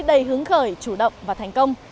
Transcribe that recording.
đầy hướng khởi chủ động và thành công